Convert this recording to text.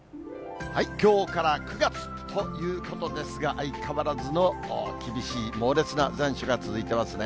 きょうから９月ということですが、相変わらずの厳しい猛烈な残暑が続いてますね。